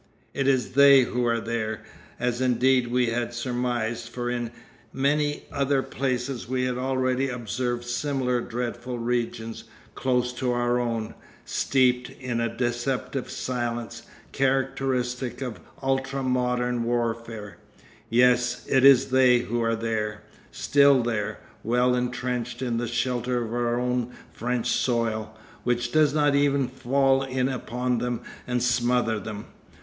It is They who are there, as indeed we had surmised, for in many other places we had already observed similar dreadful regions, close to our own, steeped in a deceptive silence, characteristic of ultra modern warfare. Yes, it is They who are there, still there, well entrenched in the shelter of our own French soil, which does not even fall in upon them and smother them.